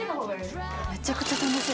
◆めちゃくちゃ楽しい。